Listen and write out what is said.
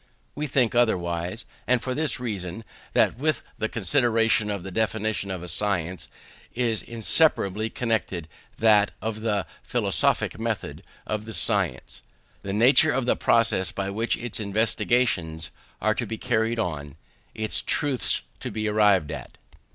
We think otherwise, and for this reason; that, with the consideration of the definition of a science, is inseparably connected that of the philosophic method of the science; the nature of the process by which its investigations are to be carried on, its truths to be arrived at.